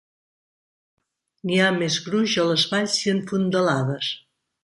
N'hi ha més gruix a les valls i en fondalades.